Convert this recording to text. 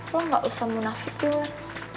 lo gak usah munafikin ulan